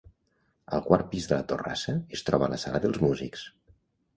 Al quart pis de la torrassa es troba la sala dels músics.